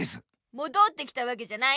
もどってきたわけじゃない。